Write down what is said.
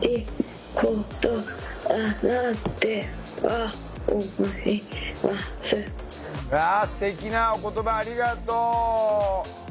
わあすてきなお言葉ありがとう。